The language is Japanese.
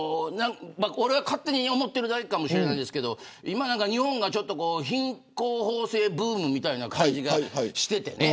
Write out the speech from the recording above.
俺が勝手に思ってるだけかもしれないですけど日本が品行方正ブームみたいな感じがしていてね